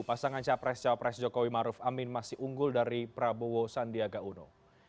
pasangan capres capres jokowi maruf amin masih unggul dari prabowo sandiaga uno